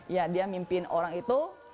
ya dia mimpin orang itu